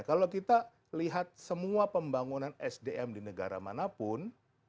kalau kita lihat semua pembangunan sdm di negara manapun